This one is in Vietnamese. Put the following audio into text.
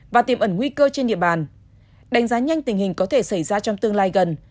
và tiềm ẩn nguy cơ trên địa bàn đánh giá nhanh tình hình có thể xảy ra trong tương lai gần